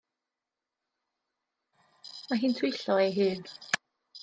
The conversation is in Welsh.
Mae hi'n twyllo ei hun.